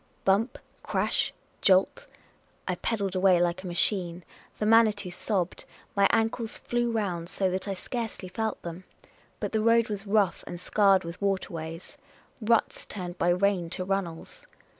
Bump, crash, 86 Miss Cayley's Adventures jolt ! I pednlled away like a machine ; the Manitou sobbed ; my ankles flew round so that I scarcely felt them. But the road was rough and scarred with waterways — ruts turned by rain to runnels.